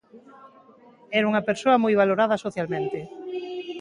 Era unha persoa moi valorada socialmente.